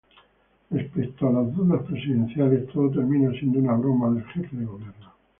Respecto a las dudas presidenciales, todo termina siendo una broma del jefe de gobierno.